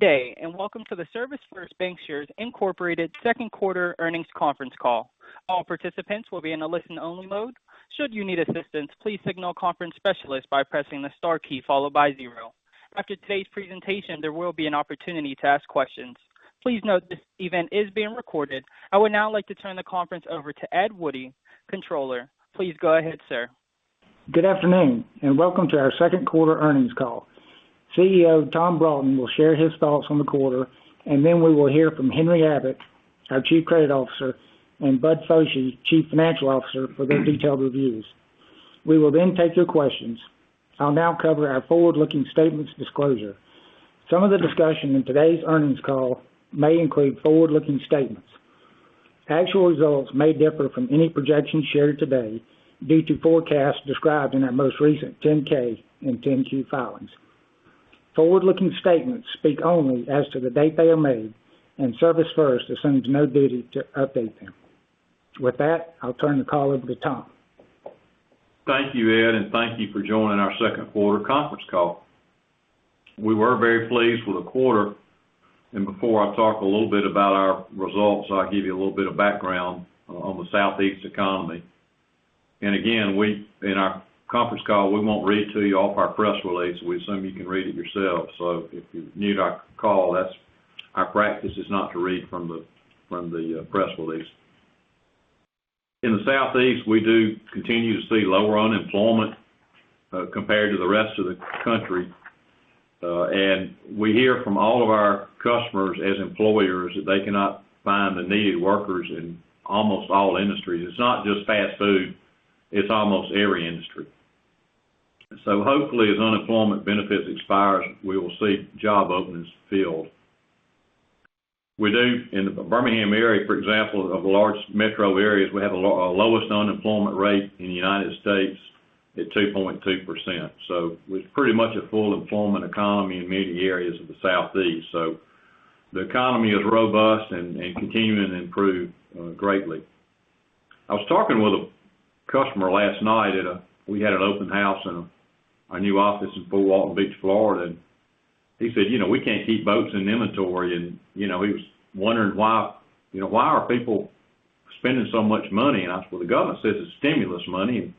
Good day. Welcome to the ServisFirst Bancshares Incorporated second quarter earnings conference call. I would now like to turn the conference over to Ed Woodie, Controller. Please go ahead, sir. Good afternoon, and welcome to our second quarter earnings call. CEO Tom Broughton will share his thoughts on the quarter. Then we will hear from Henry Abbott, our Chief Credit Officer, and Bud Foshee, Chief Financial Officer, for their detailed reviews. We will then take your questions. I'll now cover our forward-looking statements disclosure. Some of the discussion in today's earnings call may include forward-looking statements. Actual results may differ from any projections shared today due to forecasts described in our most recent 10-K and 10-Q filings. Forward-looking statements speak only as to the date they are made. ServisFirst assumes no duty to update them. With that, I'll turn the call over to Tom. Thank you, Ed, and thank you for joining our second quarter conference call. We were very pleased with the quarter. Before I talk a little bit about our results, I'll give you a little bit of background on the Southeast economy. Again, in our conference call, we won't read to you off our press release. We assume you can read it yourselves. If you're new to our call, our practice is not to read from the press release. In the Southeast, we do continue to see lower unemployment compared to the rest of the country. We hear from all of our customers as employers that they cannot find the needed workers in almost all industries. It's not just fast food, it's almost every industry. Hopefully, as unemployment benefits expire, we will see job openings filled. In the Birmingham area, for example, of large metro areas, we have the lowest unemployment rate in the U.S. at 2.2%. It's pretty much a full employment economy in many areas of the Southeast. The economy is robust and continuing to improve greatly. I was talking with a customer last night at a We had an open house in our new office in Fort Walton Beach, Florida, and he said, "We can't keep boats in inventory." He was wondering why are people spending so much money, and I said, "Well, the government says it's stimulus money."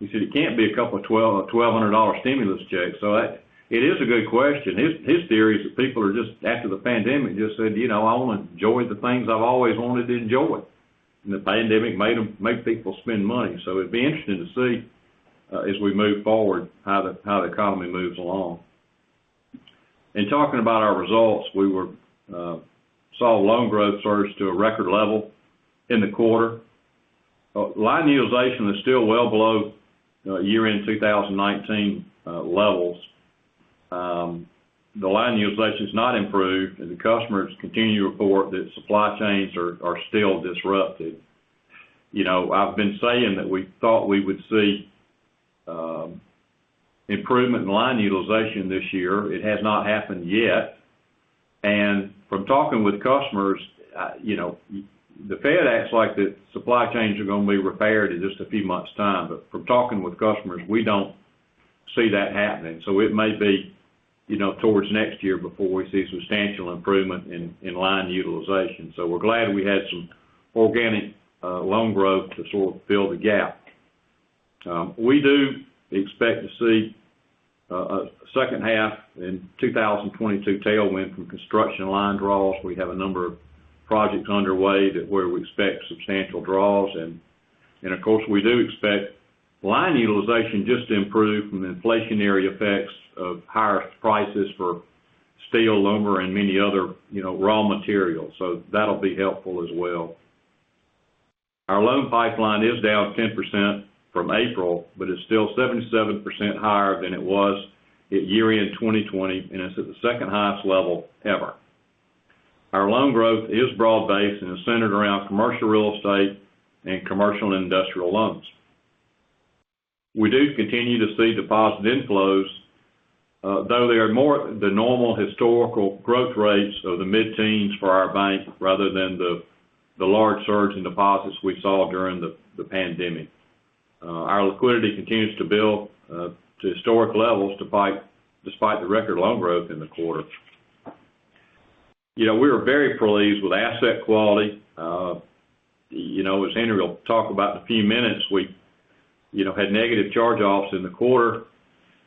He said, "It can't be a couple of $1,200 stimulus checks." It is a good question. His theory is that people, after the pandemic, just said, "I want to enjoy the things I've always wanted to enjoy." The pandemic made people spend money. It'd be interesting to see, as we move forward, how the economy moves along. In talking about our results, we saw loan growth surge to a record level in the quarter. Line utilization is still well below year-end 2019 levels. The line utilization's not improved, the customers continue to report that supply chains are still disrupted. I've been saying that we thought we would see improvement in line utilization this year. It has not happened yet. From talking with customers, the Fed acts like the supply chains are going to be repaired in just a few months' time. From talking with customers, we don't see that happening. It may be towards next year before we see substantial improvement in line utilization. We're glad we had some organic loan growth to sort of fill the gap. We do expect to see a second half in 2022 tailwind from construction line draws. We have a number of projects underway where we expect substantial draws, and of course, we do expect line utilization just to improve from the inflationary effects of higher prices for steel, lumber, and many other raw materials. That'll be helpful as well. Our loan pipeline is down 10% from April, but is still 77% higher than it was at year-end 2020, and it's at the second highest level ever. Our loan growth is broad-based and is centered around commercial real estate and commercial and industrial loans. We do continue to see deposit inflows, though they are more the normal historical growth rates of the mid-teens for our bank rather than the large surge in deposits we saw during the pandemic. Our liquidity continues to build to historic levels despite the record loan growth in the quarter. We were very pleased with asset quality. As Henry will talk about in a few minutes, we had negative charge-offs in the quarter.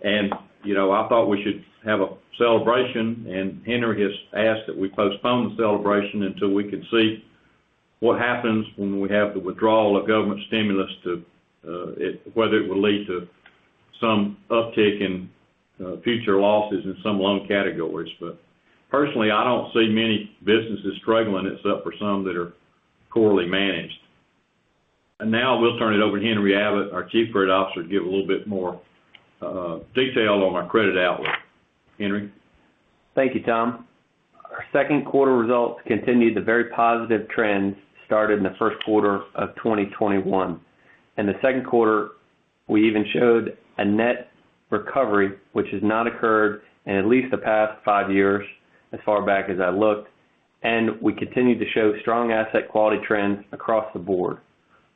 I thought we should have a celebration, and Henry has asked that we postpone the celebration until we can see what happens when we have the withdrawal of government stimulus, whether it will lead to some uptick in future losses in some loan categories. Personally, I don't see many businesses struggling, except for some that are poorly managed. Now we'll turn it over to Henry Abbott, our Chief Credit Officer, to give a little bit more detail on our credit outlook. Henry? Thank you, Tom. Our second quarter results continued the very positive trends started in the first quarter of 2021. In the second quarter, we even showed a net recovery, which has not occurred in at least the past five years, as far back as I looked. We continued to show strong asset quality trends across the board.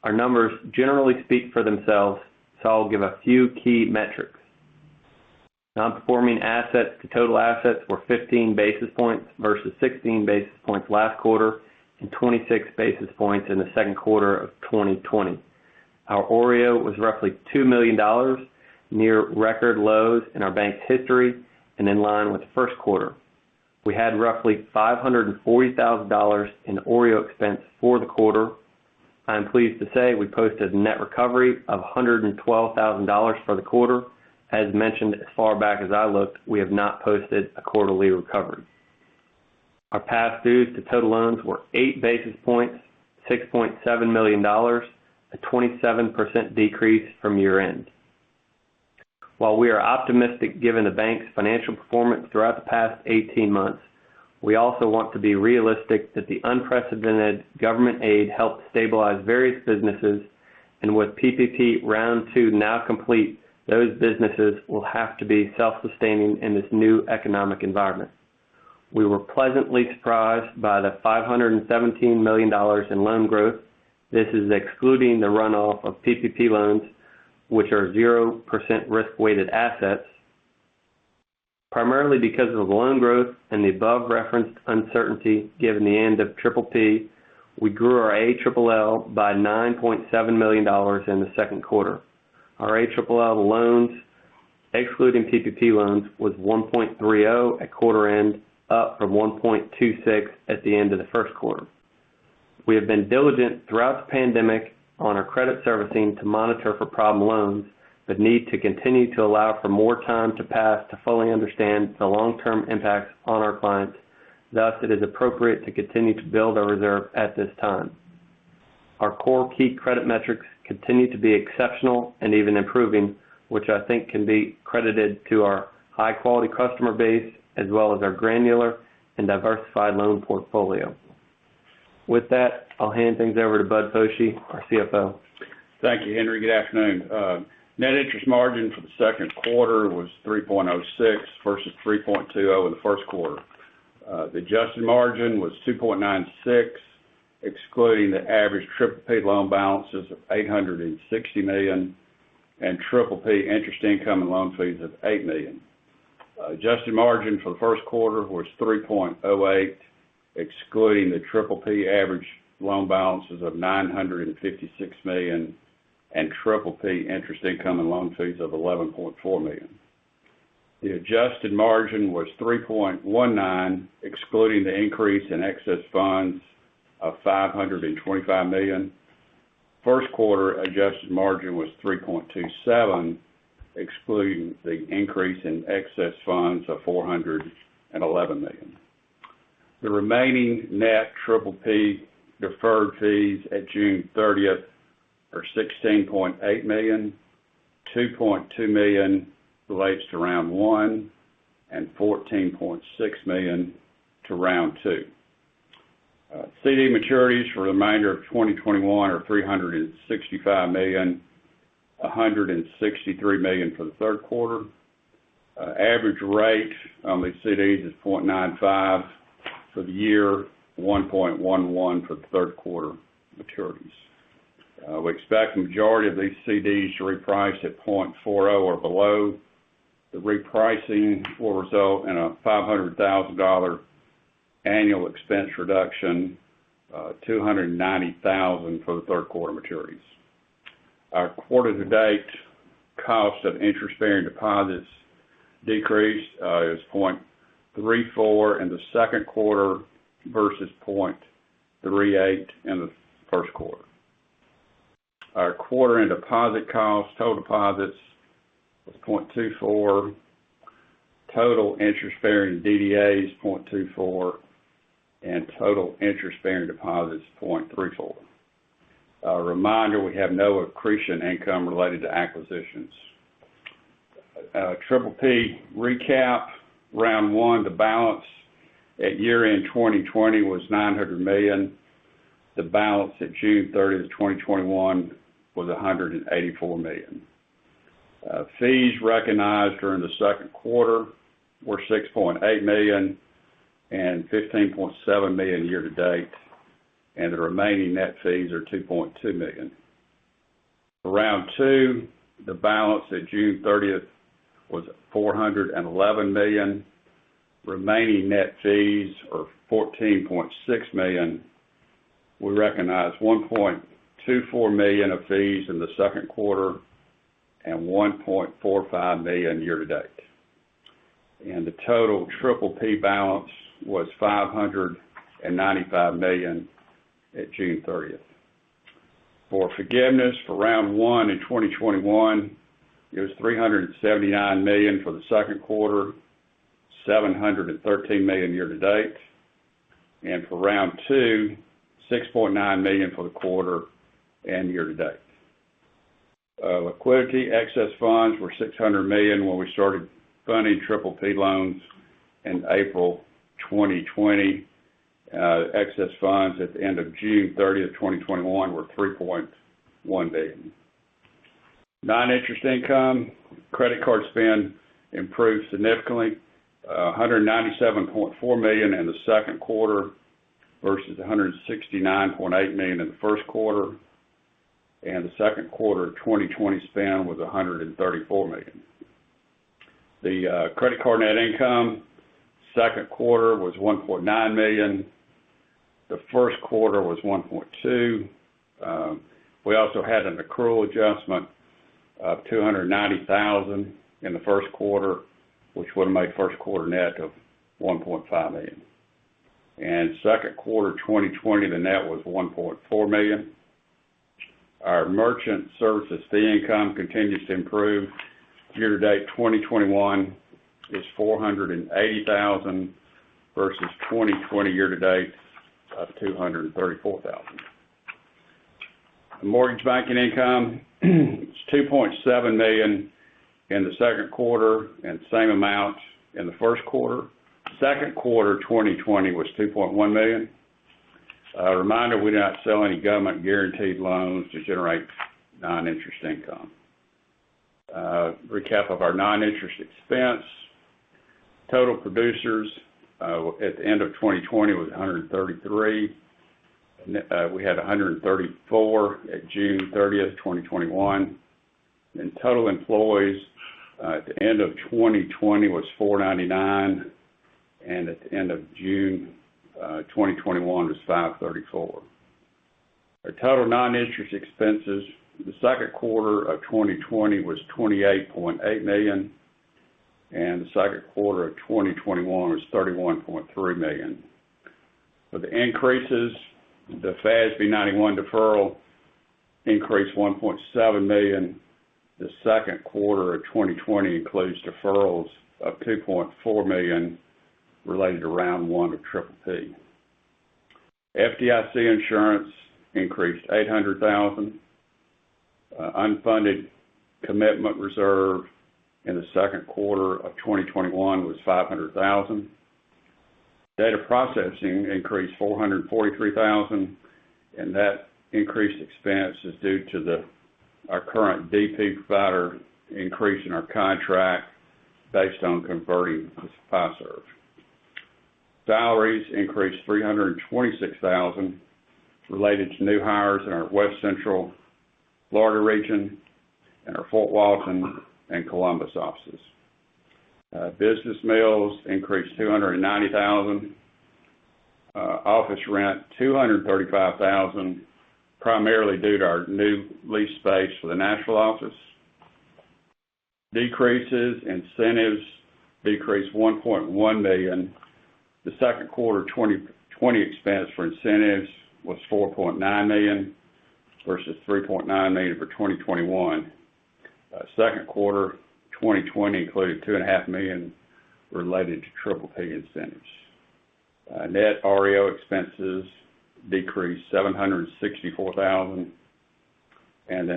Our numbers generally speak for themselves, I'll give a few key metrics. Non-performing assets to total assets were 15 basis points versus 16 basis points last quarter, and 26 basis points in the second quarter of 2020. Our OREO was roughly $2 million, near record lows in our bank's history and in line with the first quarter. We had roughly $540,000 in OREO expense for the quarter. I am pleased to say we posted net recovery of $112,000 for the quarter. As mentioned, as far back as I looked, we have not posted a quarterly recovery. Our past dues to total loans were 8 basis points, $6.7 million, a 27% decrease from year-end. While we are optimistic given the bank's financial performance throughout the past 18 months, we also want to be realistic that the unprecedented government aid helped stabilize various businesses, and with PPP Round two now complete, those businesses will have to be self-sustaining in this new economic environment. We were pleasantly surprised by the $517 million in loan growth. This is excluding the runoff of PPP loans, which are 0% risk-weighted assets. Primarily because of the loan growth and the above referenced uncertainty given the end of PPP, we grew our ALL by $9.7 million in the second quarter. Our ALL loans, excluding PPP loans, was 1.30 at quarter end, up from 1.26 at the end of the first quarter. We have been diligent throughout the pandemic on our credit servicing to monitor for problem loans, but need to continue to allow for more time to pass to fully understand the long-term impacts on our clients. Thus, it is appropriate to continue to build our reserve at this time. Our core key credit metrics continue to be exceptional and even improving, which I think can be credited to our high-quality customer base as well as our granular and diversified loan portfolio. With that, I'll hand things over to Bud Foshee, our CFO. Thank you, Henry. Good afternoon. Net interest margin for the second quarter was 3.06%, versus 3.20% the first quarter. The adjusted margin was 2.96%, excluding the average PPP loan balances of $860 million and PPP interest income and loan fees of $8 million. Adjusted margin for the first quarter was 3.08%, excluding the PPP average loan balances of $956 million and PPP interest income and loan fees of $11.4 million. The adjusted margin was 3.19%, excluding the increase in excess funds of $525 million. First quarter adjusted margin was 3.27%, excluding the increase in excess funds of $411 million. The remaining net PPP deferred fees at June 30th are $16.8 million, $2.2 million relates to Round One, and $14.6 million to Round Two. CD maturities for the remainder of 2021 are $365 million, $163 million for the third quarter. Average rate on these CDs is 0.95 for the year, 1.11 for the third quarter maturities. We expect the majority of these CDs to reprice at 0.40 or below. The repricing will result in a $500,000 annual expense reduction, $290,000 for the third quarter maturities. Our quarter to date cost of interest-bearing deposits decreased is 0.34 in the second quarter versus 0.38 in the first quarter. Our quarter-end deposit costs, total deposits was 0.24, total interest-bearing DDAs 0.24, and total interest-bearing deposits 0.34. A reminder, we have no accretion income related to acquisitions. PPP recap, Round one, the balance at year-end 2020 was $900 million. The balance at June 30th, 2021 was $184 million. Fees recognized during the second quarter were $6.8 million and $15.7 million year to date, and the remaining net fees are $2.2 million. For Round two, the balance at June 30th was $411 million. Remaining net fees are $14.6 million. We recognized $1.24 million of fees in the second quarter and $1.45 million year to date. The total PPP balance was $595 million at June 30th. For forgiveness for Round One in 2021, it was $379 million for the second quarter, $713 million year to date, and for Round two, $6.9 million for the quarter and year to date. Liquidity, excess funds were $600 million when we started funding PPP loans in April 2020. Excess funds at the end of June 30th, 2021 were $3.1 billion. Non-interest income, credit card spend improved significantly, $197.4 million in the second quarter versus $169.8 million in the first quarter. The second quarter of 2020 spend was $134 million. The credit card net income, second quarter was $1.9 million. The first quarter was $1.2. We also had an accrual adjustment of $290,000 in the first quarter, which would have made first quarter net of $1.5 million. Second quarter 2020, the net was $1.4 million. Our merchant services fee income continues to improve. Year to date 2021 is $480,000 versus 2020 year to date of $234,000. The mortgage banking income is $2.7 million in the second quarter, and same amount in the first quarter. Second quarter 2020 was $2.1 million. A reminder, we do not sell any government-guaranteed loans to generate non-interest income. A recap of our non-interest expense. Total producers at the end of 2020 was 133. We had 134 at June 30th, 2021. Total employees at the end of 2020 was 499, and at the end of June 2021 was 534. Our total non-interest expenses for the second quarter of 2020 was $28.8 million, and the second quarter of 2021 was $31.3 million. For the increases, the FASB 91 deferral increased $1.7 million. The second quarter of 2020 includes deferrals of $2.4 million related to Round One of PPP. FDIC insurance increased $800,000. Unfunded commitment reserve in the second quarter of 2021 was $500,000. Data processing increased $443,000. That increase expense is due to our current DP provider increase in our contract based on converting to Fiserv. Salaries increased $326,000 related to new hires in our West Central Florida region and our Fort Walton and Columbus offices. Business meals increased $290,000. Office rent, $235,000, primarily due to our new lease space for the national office. Decreases, incentives decreased $1.1 million. The second quarter 2020 expense for incentives was $4.9 million versus $3.9 million for 2021. Second quarter 2020 included two and a half million related to PPP incentives. Net REO expenses decreased $764,000.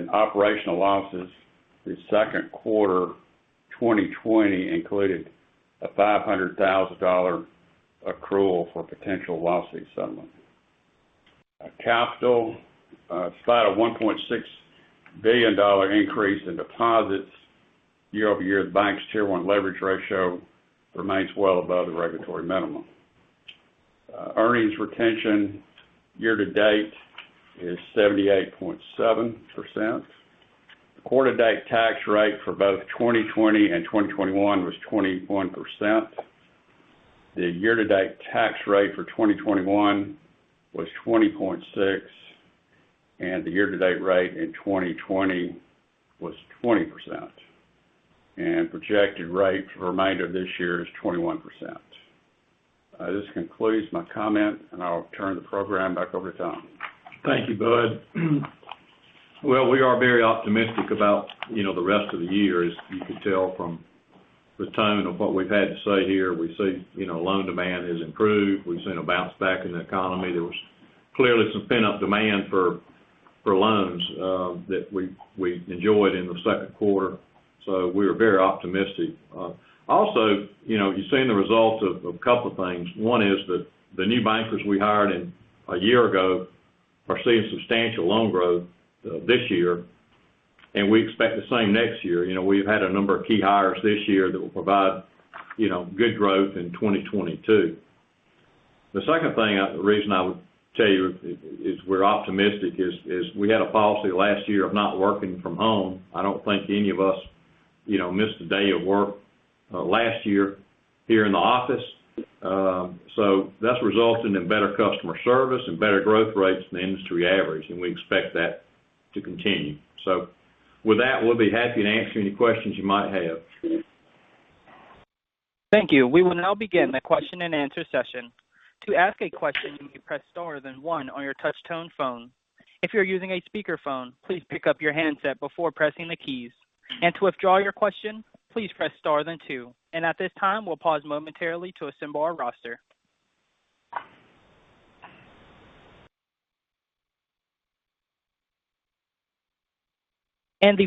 Operational losses for the second quarter 2020 included a $500,000 accrual for potential lawsuit settlement. Capital, despite a $1.6 billion increase in deposits year-over-year, the bank's Tier one leverage ratio remains well above the regulatory minimum. Earnings retention year-to-date is 78.7%. The quarter-to-date tax rate for both 2020 and 2021 was 20.1%. The year-to-date tax rate for 2021 was 20.6%, and the year-to-date rate in 2020 was 20%. Projected rate for the remainder of this year is 21%. This concludes my comment, and I'll turn the program back over to Tom. Thank you, Bud. Well, we are very optimistic about the rest of the year, as you can tell from the tone of what we've had to say here. We see loan demand has improved. We've seen a bounce back in the economy. There was clearly some pent-up demand for loans that we enjoyed in the second quarter. We are very optimistic. Also, you've seen the results of a couple of things. One is that the new bankers we hired in a year ago are seeing substantial loan growth this year, and we expect the same next year. We've had a number of key hires this year that will provide good growth in 2022. The second thing, the reason I would tell you is we're optimistic is we had a policy last year of not working from home. I don't think any of us missed a day at work last year here in the office. That's resulting in better customer service and better growth rates than the industry average, and we expect that to continue. With that, we'll be happy to answer any questions you might have. Thank you. We will now begin the question and answer session. The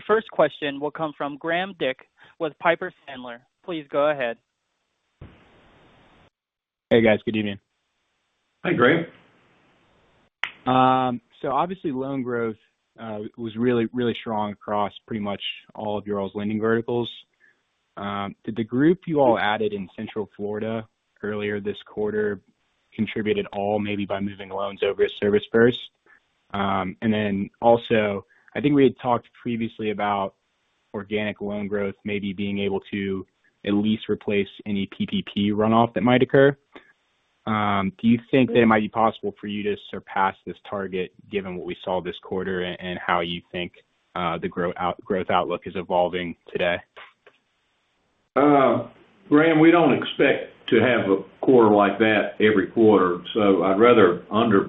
first question will come from Graham Dick with Piper Sandler. Please go ahead. Hey, guys. Good evening. Hi, Graham. Obviously, loan growth was really, really strong across pretty much all of your all's lending verticals. Did the group you all added in Central Florida earlier this quarter contributed all maybe by moving loans over to ServisFirst? Then also, I think we had talked previously about organic loan growth maybe being able to at least replace any PPP runoff that might occur. Do you think that it might be possible for you to surpass this target given what we saw this quarter and how you think the growth outlook is evolving today? Graham, we don't expect to have a quarter like that every quarter, so I'd rather underpromise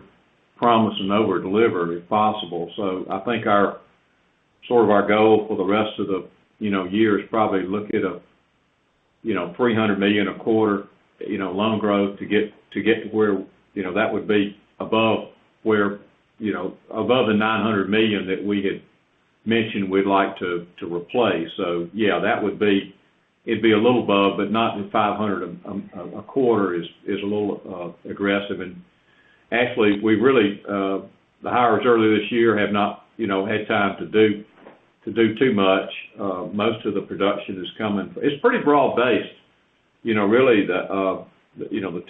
and overdeliver if possible. I think our goal for the rest of the year is probably look at $300 million a quarter loan growth to get to where that would be above the $900 million that we had mentioned we'd like to replace. Yeah, it'd be a little above, but not in $500 a quarter is a little aggressive. Actually, the hires earlier this year have not had time to do too much. Most of the production is coming. It's pretty broad-based. Really, the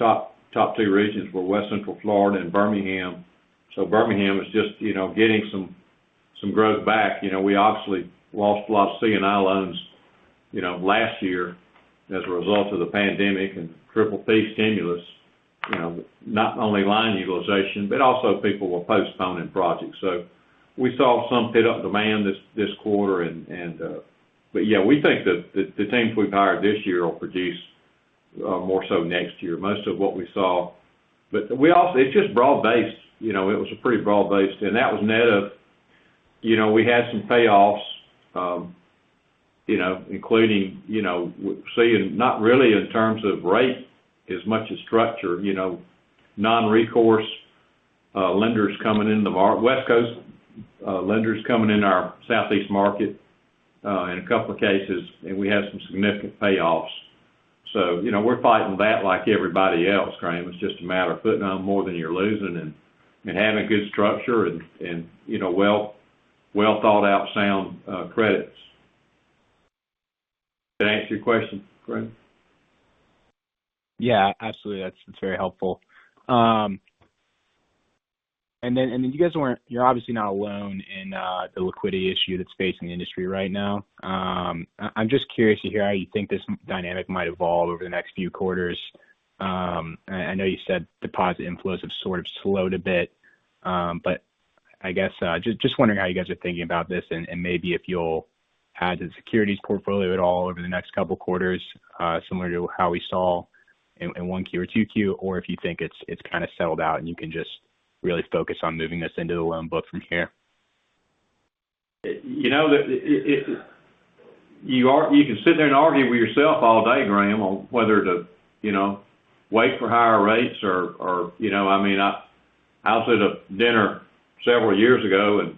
top two regions were West Central Florida and Birmingham. Birmingham is just getting some growth back. We obviously lost a lot of C&I loans last year as a result of the pandemic and PPP stimulus, not only line utilization, but also people were postponing projects. We saw some pent-up demand this quarter. Yeah, we think that the teams we've hired this year will produce more so next year. Most of what we saw, it's just broad-based. It was pretty broad-based. That was net of, we had some payoffs, including seeing, not really in terms of rate as much as structure, non-recourse lenders coming in, West Coast lenders coming in our Southeast market in a couple of cases, and we had some significant payoffs. We're fighting that like everybody else, Graham. It's just a matter of putting out more than you're losing and having a good structure and well-thought-out sound credits. Did I answer your question, Graham? Yeah, absolutely. That's very helpful. You guys, you're obviously not alone in the liquidity issue that's facing the industry right now. I'm just curious to hear how you think this dynamic might evolve over the next few quarters. I know you said deposit inflows have sort of slowed a bit. I guess, just wondering how you guys are thinking about this and maybe if you'll add to the securities portfolio at all over the next couple quarters, similar to how we saw in 1Q or 2Q, or if you think it's kind of settled out and you can just really focus on moving this into the loan book from here. You can sit there and argue with yourself all day, Graham, on whether to wait for higher rates. I was at a dinner several years ago, and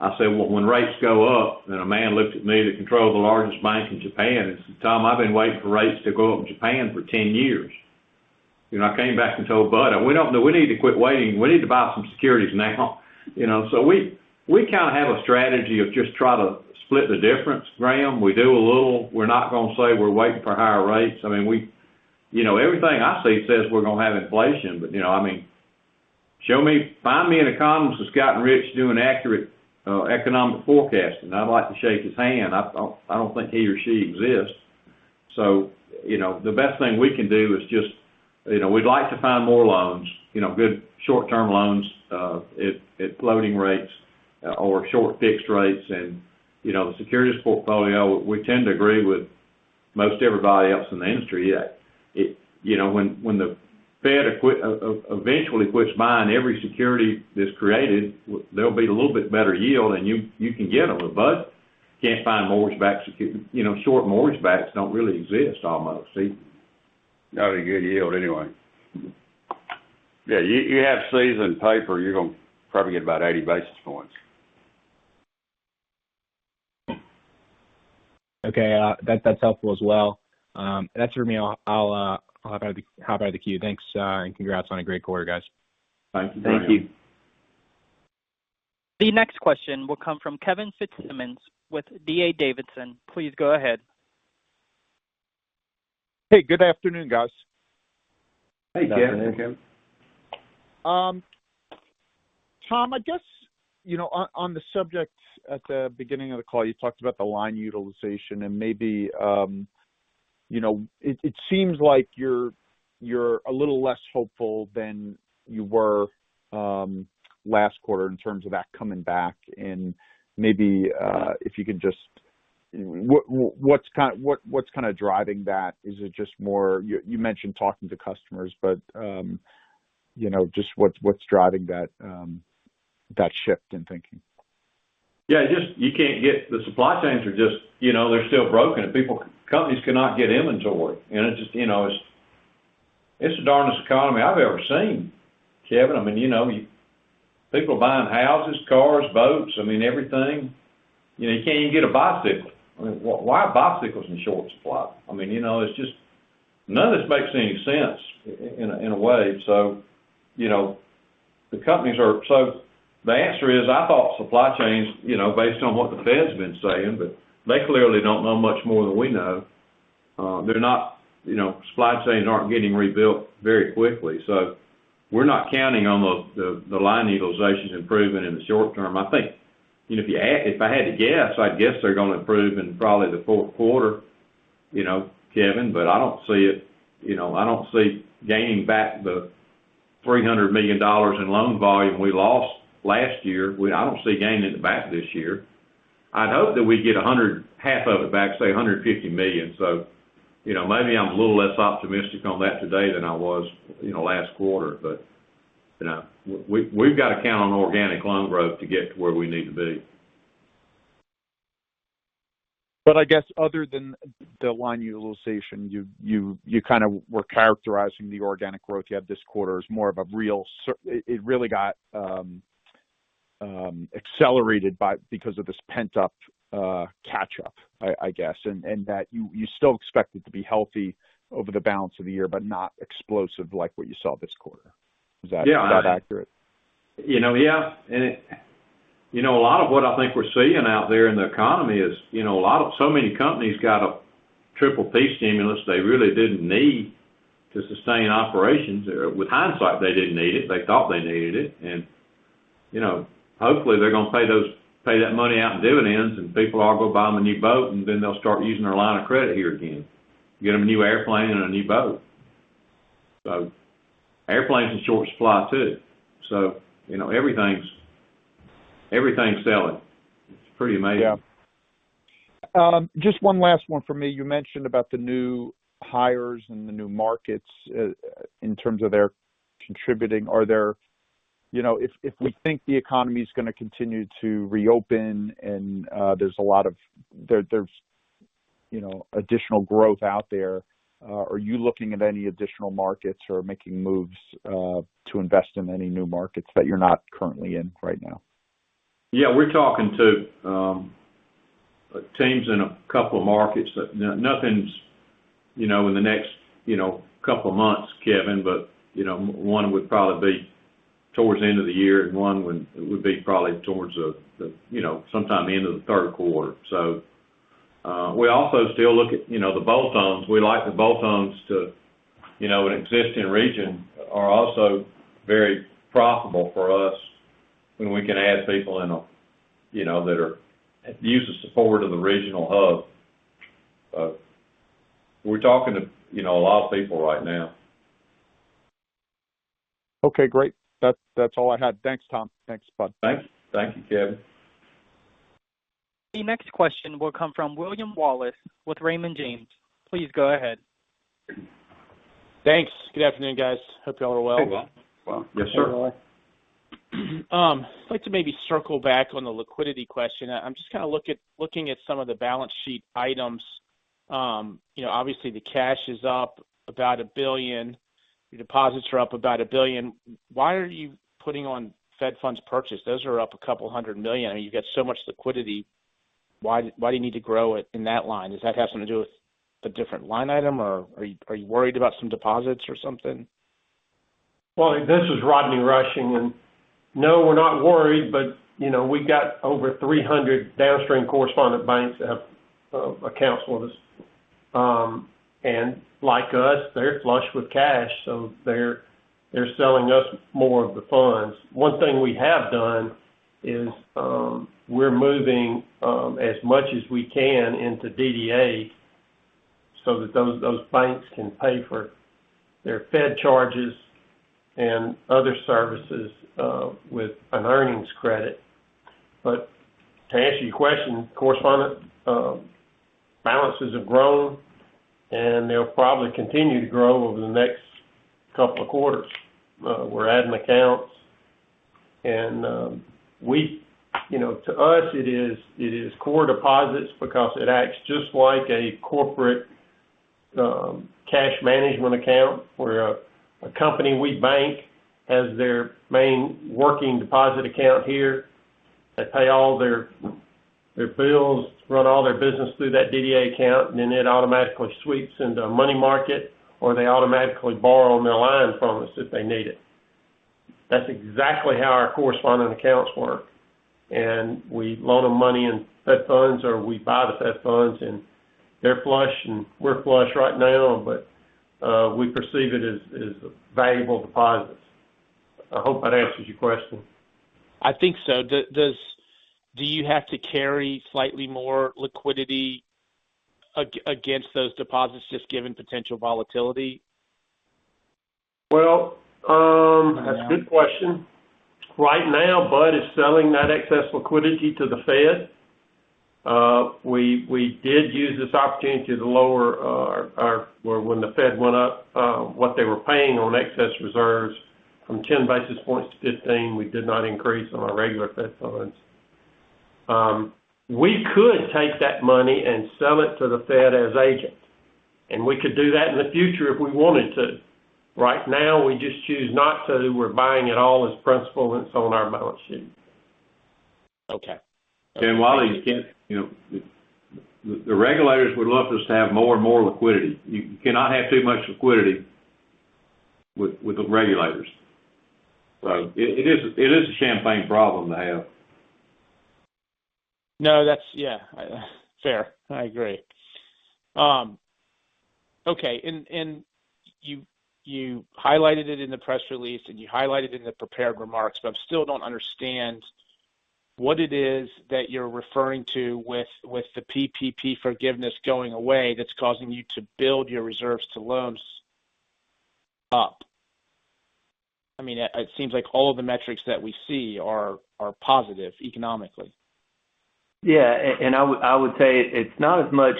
I said, "Well, when rates go up." A man looked at me that controlled the largest bank in Japan, and said, "Tom, I've been waiting for rates to go up in Japan for 10 years." I came back and told Bud, I went, "We need to quit waiting. We need to buy some securities now." We kind of have a strategy of just try to split the difference, Graham. We do a little. We're not going to say we're waiting for higher rates. Everything I see says we're going to have inflation. Find me an economist that's gotten rich doing accurate economic forecasting, and I'd like to shake his hand. I don't think he or she exists. The best thing we can do is just, we'd like to find more loans, good short-term loans at floating rates or short fixed rates. The securities portfolio, we tend to agree with most everybody else in the industry that when the Fed eventually quits buying every security that's created, there'll be a little bit better yield, and you can get them. You can't find mortgage-backed securities. Short mortgage-backs don't really exist almost. Not at a good yield anyway. Yeah, you have seasoned paper, you're going to probably get about 80 basis points. Okay. That's helpful as well. That's for me. I'll hop out of the queue. Thanks, and congrats on a great quarter, guys. Thank you. The next question will come from Kevin Fitzsimmons with D.A. Davidson. Please go ahead. Hey, good afternoon, guys. Hey, Kevin. Good afternoon, Kevin. Tom, I guess, on the subject at the beginning of the call, you talked about the line utilization and maybe it seems like you're a little less hopeful than you were last quarter in terms of that coming back, and maybe if you could just, what's kind of driving that? You mentioned talking to customers, but just what's driving that shift in thinking? Yeah, the supply chains are just still broken, companies cannot get inventory. It's the darnest economy I've ever seen, Kevin. People are buying houses, cars, boats, everything. You can't even get a bicycle. Why are bicycles in short supply? None of this makes any sense in a way. The answer is, I thought supply chains, based on what the Fed's been saying, but they clearly don't know much more than we know. Supply chains aren't getting rebuilt very quickly. We're not counting on the line utilizations improving in the short term. If I had to guess, I'd guess they're going to improve in probably the fourth quarter, Kevin. I don't see gaining back the $300 million in loan volume we lost last year, I don't see gaining it back this year. I'd hope that we'd get half of it back, say $150 million. Maybe I'm a little less optimistic on that today than I was last quarter. We've got to count on organic loan growth to get to where we need to be. I guess other than the line utilization, you kind of were characterizing the organic growth you had this quarter as it really got accelerated because of this pent-up catch-up, I guess. That you still expect it to be healthy over the balance of the year, but not explosive like what you saw this quarter. Is that accurate? Yeah. A lot of what I think we're seeing out there in the economy is so many companies got a PPP stimulus they really didn't need to sustain operations. With hindsight, they didn't need it. They thought they needed it. Hopefully they're going to pay that money out in dividends, and people all go buy them a new boat, and then they'll start using their line of credit here again. Get them a new airplane and a new boat. Airplanes are in short supply, too. Everything's selling. It's pretty amazing. Yeah. Just one last one from me. You mentioned about the new hires and the new markets in terms of their contributing. If we think the economy's going to continue to reopen and there's additional growth out there, are you looking at any additional markets or making moves to invest in any new markets that you're not currently in right now? Yeah. We're talking to teams in a couple markets. Nothing's in the next couple months, Kevin, but one would probably be towards the end of the year, and one would be probably towards sometime the end of the third quarter. We also still look at the bolt-ons. We like the bolt-ons in existing region are also very profitable for us when we can add people that are used as support of the regional hub. We're talking to a lot of people right now. Okay, great. That's all I had. Thanks, Tom. Thanks, Bud. Thanks. Thank you, Kevin. The next question will come from William Wallace with Raymond James. Please go ahead. Thanks. Good afternoon, guys. Hope you all are well. Hey, Will. Well, yes, sir. I'd like to maybe circle back on the liquidity question. I'm just kind of looking at some of the balance sheet items. Obviously, the cash is up about $1 billion. Your deposits are up about $1 billion. Why are you putting on Fed funds purchase? Those are up $200 million. You've got so much liquidity. Why do you need to grow it in that line? Does that have something to do with a different line item, or are you worried about some deposits or something? This is Rodney Rushing, no, we're not worried, we got over 300 downstream correspondent banks that have accounts with us. Like us, they're flush with cash, they're selling us more of the funds. One thing we have done is we're moving as much as we can into DDA so that those banks can pay for their Fed charges and other services with an earnings credit. To answer your question, correspondent balances have grown, they'll probably continue to grow over the next couple of quarters. We're adding accounts. To us, it is core deposits because it acts just like a corporate cash management account, where a company we bank has their main working deposit account here. They pay all their bills, run all their business through that DDA account, and then it automatically sweeps into a money market, or they automatically borrow on their line from us if they need it. That's exactly how our correspondent accounts work. We loan them money in Fed funds, or we buy the Fed funds, and they're flush, and we're flush right now, but we perceive it as a valuable deposit. I hope that answers your question. I think so. Do you have to carry slightly more liquidity against those deposits, just given potential volatility? Well, that's a good question. Right now, Bud is selling that excess liquidity to the Fed. We did use this opportunity to lower, when the Fed went up, what they were paying on excess reserves from 10 basis points to 15. We did not increase on our regular Fed funds. We could take that money and sell it to the Fed as agents, and we could do that in the future if we wanted to. Right now, we just choose not to. We're buying it all as principal, and it's on our balance sheet. Okay. Wally, the regulators would love us to have more and more liquidity. You cannot have too much liquidity with the regulators. It is a champagne problem to have. No. Yeah. Fair. I agree. Okay. You highlighted it in the press release, and you highlighted it in the prepared remarks, but I still don't understand what it is that you're referring to with the PPP forgiveness going away that's causing you to build your reserves to loans up. It seems like all of the metrics that we see are positive economically. Yeah. I would say it's not as much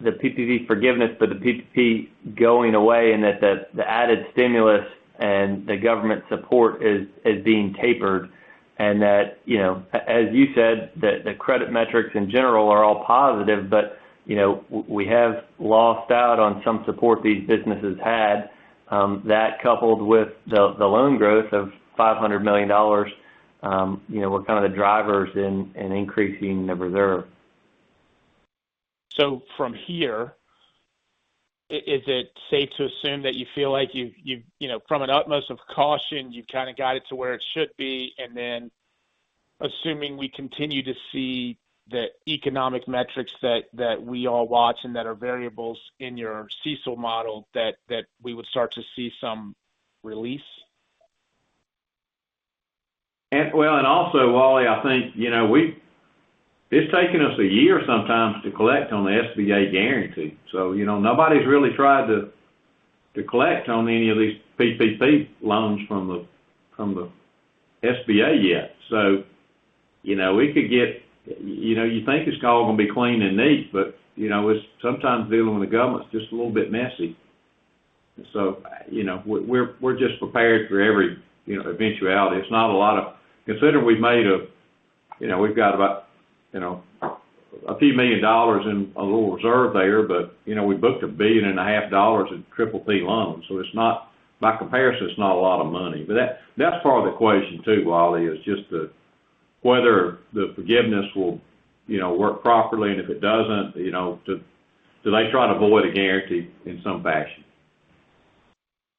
the PPP forgiveness, but the PPP going away, and that the added stimulus and the government support is being tapered, and that, as you said, the credit metrics in general are all positive. We have lost out on some support these businesses had. That coupled with the loan growth of $500 million, were kind of the drivers in increasing the reserve. From here, is it safe to assume that you feel like from an utmost of caution, you've kind of got it to where it should be, and then assuming we continue to see the economic metrics that we all watch and that are variables in your CECL model, that we would start to see some release? Also, Wally, I think it's taken us one year sometimes to collect on the SBA guarantee. Nobody's really tried to collect on any of these PPP loans from the SBA yet. You think it's all going to be clean and neat, but sometimes dealing with the government's just a little bit messy. We're just prepared for every eventuality. Considering we've got about a few million dollars in a little reserve there, but we booked a billion and a half dollars in PPP loans. By comparison, it's not a lot of money. That's part of the equation, too, Wally, is just whether the forgiveness will work properly, and if it doesn't, do they try to avoid a guarantee in some fashion?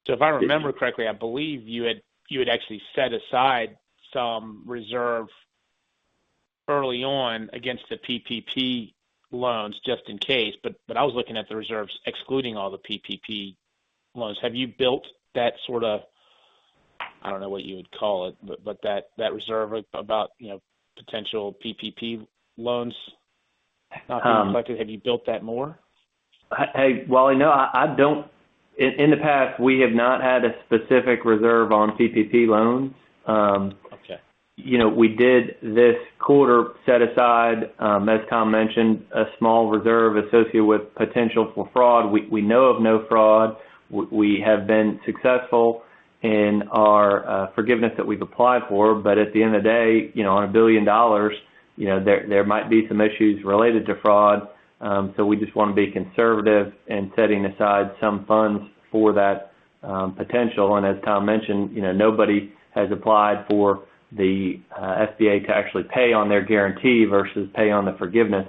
If I remember correctly, I believe you had actually set aside some reserve early on against the PPP loans just in case. I was looking at the reserves, excluding all the PPP loans. Have you built that, I don't know what you would call it, but that reserve about potential PPP loans not being collected? Have you built that more? William Wallace, no. In the past, we have not had a specific reserve on PPP loans. Okay. We did this quarter set aside, as Tom mentioned, a small reserve associated with potential for fraud. We know of no fraud. We have been successful in our forgiveness that we've applied for. At the end of the day, on $1 billion, there might be some issues related to fraud. We just want to be conservative in setting aside some funds for that potential. As Tom mentioned, nobody has applied for the SBA to actually pay on their guarantee versus pay on the forgiveness.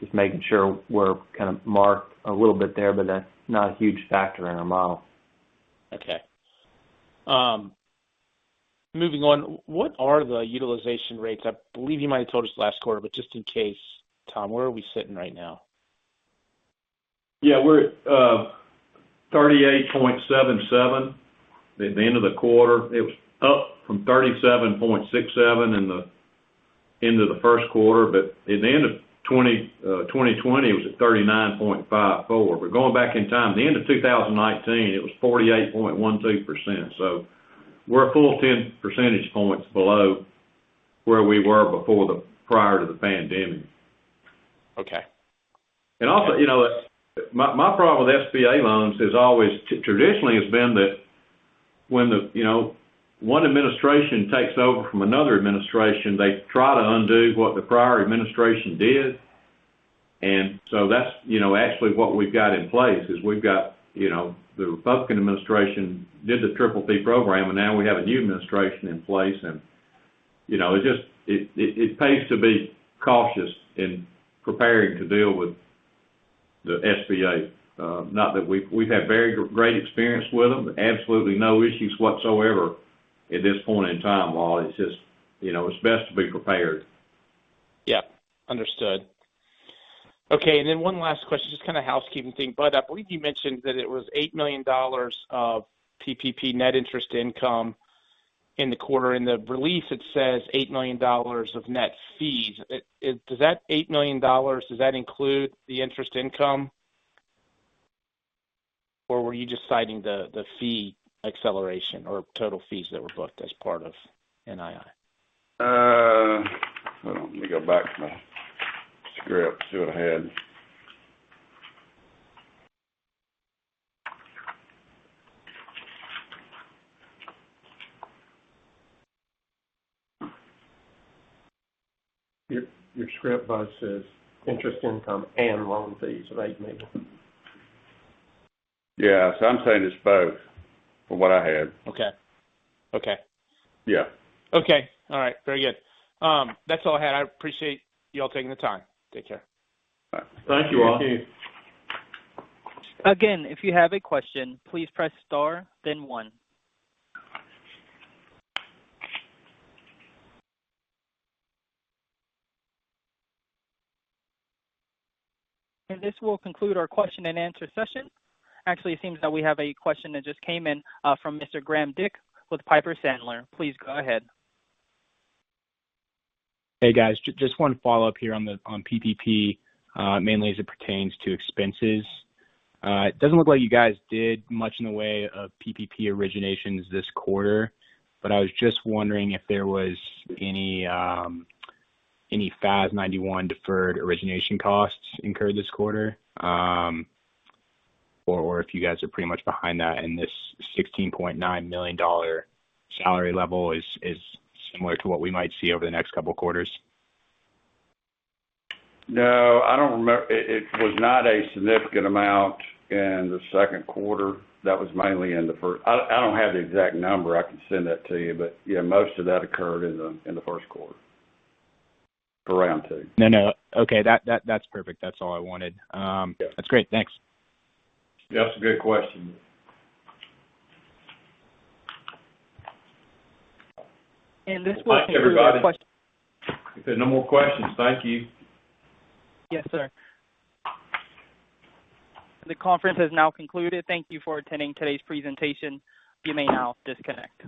Just making sure we're kind of marked a little bit there, but that's not a huge factor in our model. Okay. Moving on. What are the utilization rates? I believe you might have told us last quarter, but just in case, Tom, where are we sitting right now? Yeah. We're at 38.77 at the end of the quarter. It was up from 37.67 in the end of the first quarter. At the end of 2020, it was at 39.54. Going back in time, at the end of 2019, it was 48.12%. We're a full 10 percentage points below where we were prior to the pandemic. Okay. Also, my problem with SBA loans traditionally has been that when one administration takes over from another administration, they try to undo what the prior administration did. That's actually what we've got in place, is we've got the Republican administration did the PPP program. Now we have a new administration in place, it pays to be cautious in preparing to deal with the SBA. Not that we've had very great experience with them. Absolutely no issues whatsoever at this point in time, William Wallace. It's just best to be prepared. Yep. Understood. Okay, one last question, just kind of a housekeeping thing. Bud, I believe you mentioned that it was $8 million of PPP net interest income in the quarter. In the release, it says $8 million of net fees. Does that $8 million, does that include the interest income? Were you just citing the fee acceleration or total fees that were booked as part of NII? Hold on. Let me go back to my script, see what I had. Your script Bud Foshee says interest income and loan fees of $8 million. Yeah. I'm saying it's both, from what I have. Okay. Yeah. Okay. All right. Very good. That's all I had. I appreciate you all taking the time. Take care. Bye. Thank you all. Thank you. Again, if you have a question, please press star, then one. This will conclude our question and answer session. Actually, it seems that we have a question that just came in from Mr. Graham Dick with Piper Sandler. Please go ahead. Hey, guys. Just one follow-up here on PPP, mainly as it pertains to expenses. It doesn't look like you guys did much in the way of PPP originations this quarter. I was just wondering if there was any FAS 91 deferred origination costs incurred this quarter, or if you guys are pretty much behind that and this $16.9 million salary level is similar to what we might see over the next couple quarters? No, I don't remember. It was not a significant amount in the second quarter. I don't have the exact number. I can send that to you. Yeah, most of that occurred in the first quarter. Around $2. No, no. Okay. That's perfect. That's all I wanted. Yeah. That's great. Thanks. That's a great question. This will conclude our question-. Thank you, everybody. If there are no more questions, thank you. Yes, sir. The conference has now concluded. Thank you for attending today's presentation. You may now disconnect.